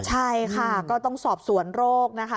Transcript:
ใช่ค่ะก็ต้องสอบสวนโรคนะคะ